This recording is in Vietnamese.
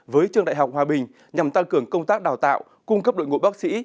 với trường đại học hòa bình nhằm tăng cường công tác đào tạo cung cấp đội ngũ bác sĩ